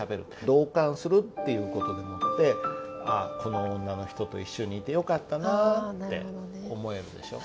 同感するっていう事でもって「この女の人と一緒にいてよかったなぁ」って思えるでしょ。